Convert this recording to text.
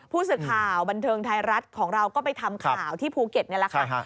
ผู้สื่อข่าวบันเทิงไทยรัฐของเราก็ไปทำข่าวที่ภูเก็ตนี่แหละค่ะ